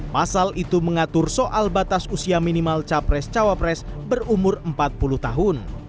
pasal itu mengatur soal batas usia minimal capres cawapres berumur empat puluh tahun